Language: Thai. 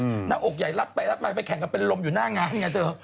หน้าอกใหญ่รับไปรับมาไปแข่งกันเป็นลมอยู่หน้างานไงเธอ